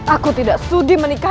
aku tidak sudi menikah